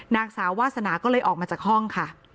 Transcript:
นางสาววาสนาก็เลยออกมาจากห้องค่ะ